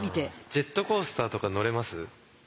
ジェットコースターとか乗れます？